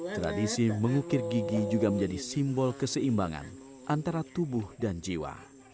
tradisi mengukir gigi juga menjadi simbol keseimbangan antara tubuh dan jiwa